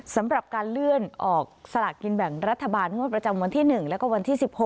สำหรับการเลื่อนออกสลากกินแบ่งรัฐบาลงวดประจำวันที่๑แล้วก็วันที่๑๖